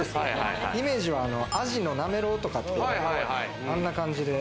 イメージはアジのなめろうとかってあんな感じで。